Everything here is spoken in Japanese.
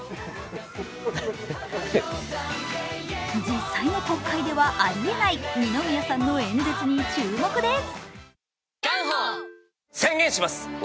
実際の国会ではありえない二宮さんの演説に注目です。